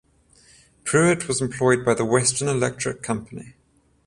Pruitt was employed by the Western Electric Company.